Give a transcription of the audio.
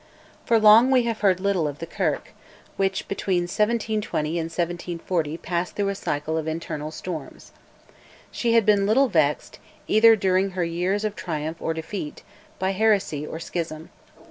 For long we have heard little of the Kirk, which between 1720 and 1740 passed through a cycle of internal storms. She had been little vexed, either during her years of triumph or defeat, by heresy or schism.